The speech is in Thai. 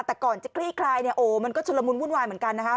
แต่ก่อนจะคลี่คลายเนี่ยโอ้มันก็ชุลมุนวุ่นวายเหมือนกันนะคะ